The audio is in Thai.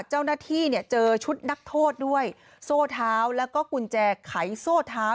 เจ้าหน้าที่เนี่ยเจอชุดนักโทษด้วยโซ่เท้าแล้วก็กุญแจไขโซ่เท้า